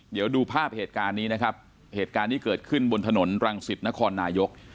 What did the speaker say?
เดี๋ยวดูภาพเหตุการณ์นี้นะครับเหตุการณ์ที่เกิดขึ้นบนถนนรังสิตนครนายก